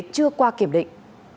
chưa qua kiểm định